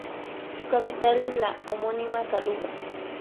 Su capital es la homónima Kaluga.